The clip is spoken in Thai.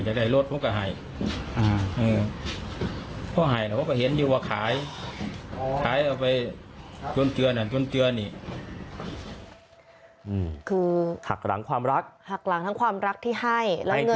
หักหลังทั้งความรักที่ให้และเงินทองที่ให้